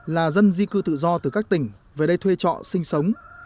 là dân di cư tự do từ các tỉnh về đây thuê trọ sinh sống